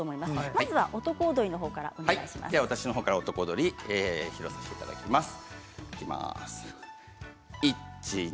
まずは男踊りのほうから男踊り披露させていただきます。